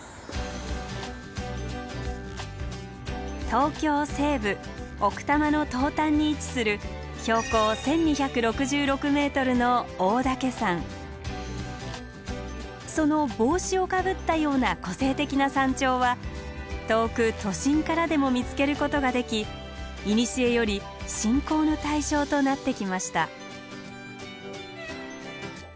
東京西部奥多摩の東端に位置するその帽子をかぶったような個性的な山頂は遠く都心からでも見つけることができいにしえより信仰の対象となってきました。